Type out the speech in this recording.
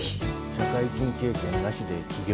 社会人経験なしで起業？